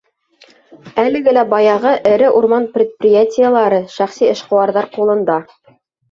Әлеге лә баяғы эре урман предприятиелары шәхси эшҡыуарҙар ҡулында.